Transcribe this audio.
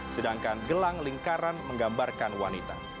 sedangkan gelang lingkaran menggambarkan wanita